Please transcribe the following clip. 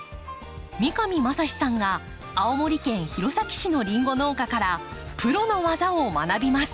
三上真史さんが青森県弘前市のリンゴ農家からプロの技を学びます。